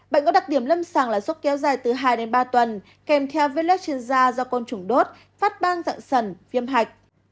bệnh có đặc điểm lâm sàng là sốc kéo dài từ hai đến ba tuần kèm theo viên lết trên da do con trùng đốt phát ban dạng sần viêm hạch